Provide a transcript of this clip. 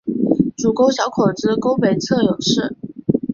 主沟小口子沟北侧有寺。